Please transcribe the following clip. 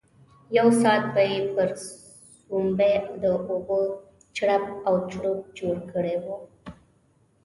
یو ساعت به یې پر سومبۍ د اوبو چړپ او چړوپ جوړ کړی وو.